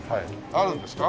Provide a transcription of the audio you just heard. あるんですか？